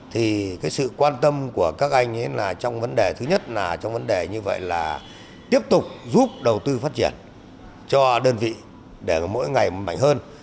thì sự quan tâm của các anh trong vấn đề thứ nhất là tiếp tục giúp đầu tư phát triển cho đơn vị để mỗi ngày mạnh hơn